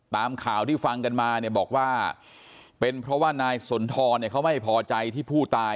ตามข่าวที่ฟังกันมาเนี่ยบอกว่าเป็นเพราะว่านายสุนทรเนี่ยเขาไม่พอใจที่ผู้ตาย